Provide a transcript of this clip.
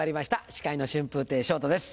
司会の春風亭昇太です